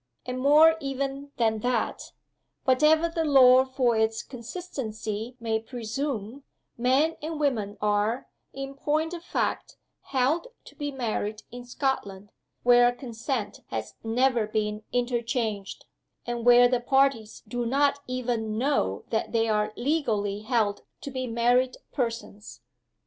And, more even than that, whatever the law for its consistency may presume, men and women are, in point of fact, held to be married in Scotland where consent has never been interchanged, and where the parties do not even know that they are legally held to be married persons.